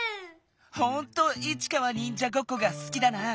ほんとイチカはにんじゃごっこがすきだな。